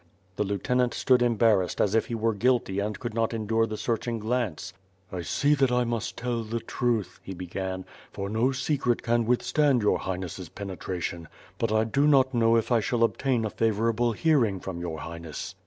The Lieutenant stood embarrassed as if he were guilty and could not endure the searching glance. WITH FIRE AND SWORD. 93 *T see that I must tell the truth/' he hegan, "for no secret can withstand your Highness's penetration, but I do not know if I shall obtain a favorable hearing from your High ness."